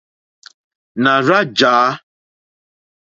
Nà rzá jǎ.